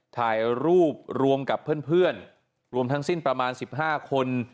ถ่ายรูปรวมกับเพื่อนรวมทั้งสิ้นประมาณ๑๕คน